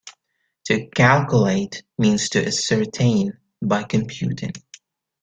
To "calculate" means to ascertain by computing.